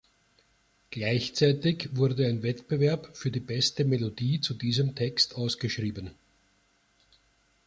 Gleichzeitig wurde ein Wettbewerb für die beste Melodie zu diesem Text ausgeschrieben.